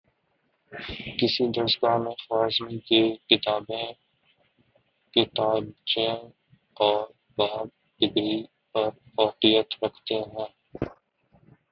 کسی درسگاہ میں خوارزمی کی کتابیں کتابچے اور باب ڈگری پر فوقیت رکھتے ہیں